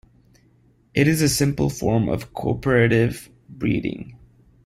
It is a simple form of co-operative breeding.